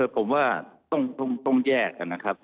ผมว่าต้องแยกกันนะครับ